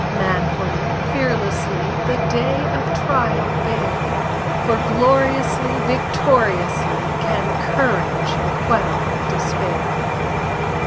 Manfully, fearlessly, The day of trial bear, For gloriously, victoriously, Can courage quell despair!